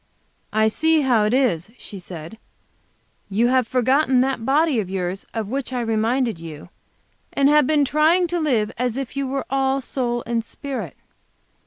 "I see how it is," she said; "you have forgotten that body of yours, of which I reminded you, and have been trying to live as if you were all soul and spirit.